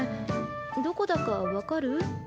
どこだか分かる？